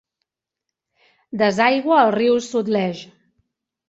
Desaigua al riu Sutlej.